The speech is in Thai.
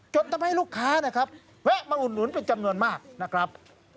จนทำให้ลูกค้าวะอุ่นเป็นจำนวนมากนะครับ